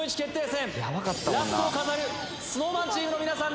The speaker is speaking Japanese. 戦ラストを飾るＳｎｏｗＭａｎチームの皆さんです